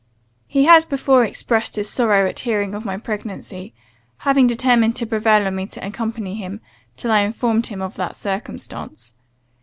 He had before expressed his sorrow at hearing of my pregnancy, having determined to prevail on me to accompany him, till I informed him of that circumstance.